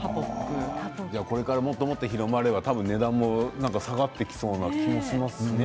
これからもっともっと広がれば値段も下がってきそうな気がしますよね。